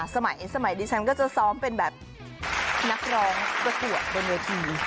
สมัยสมัยดิฉันก็จะซ้อมเป็นแบบนักร้องประกวดบนเวที